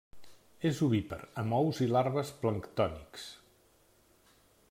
És ovípar amb ous i larves planctònics.